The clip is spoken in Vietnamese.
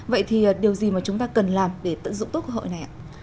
vậy thì điều gì mà chúng ta cần làm để tận dụng tốt cơ hội này ạ